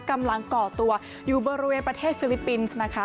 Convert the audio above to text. ก่อตัวอยู่บริเวณประเทศฟิลิปปินส์นะคะ